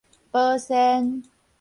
保鮮